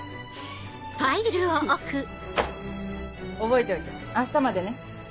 覚えておいて明日までね。